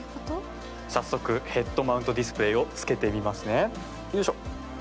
早速、ヘッドマウントディスプレーをつけてみますね。